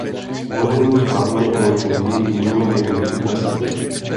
Uložení hlavně umožňuje její výměnu během několika sekund.